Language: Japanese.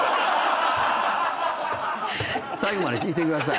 最後まで聞いてください。